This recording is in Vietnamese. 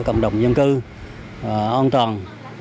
cộng đồng dân cư an toàn